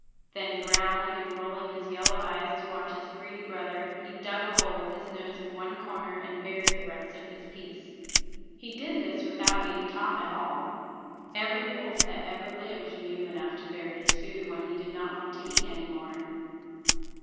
Then, growling and rolling his yellow eyes to watch his greedy brother, he dug a hole with his nose in one corner and buried the rest of his piece. He did this without being taught at all. Every wolf that ever lived knew enough to bury his food when he did not want to eat any more.